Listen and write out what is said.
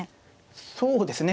そうですね。